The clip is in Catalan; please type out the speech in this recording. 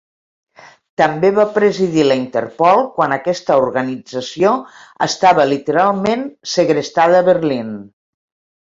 També va presidir la Interpol quan aquesta organització estava literalment segrestada a Berlín.